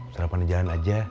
sarapan di jalan aja